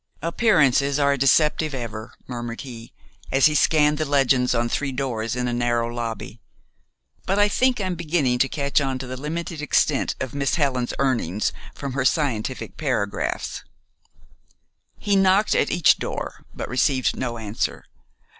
"Appearances are deceptive ever," murmured he, as he scanned the legends on three doors in a narrow lobby; "but I think I'm beginning to catch on to the limited extent of Miss Helen's earnings from her scientific paragraphs." He knocked at each door; but received no answer.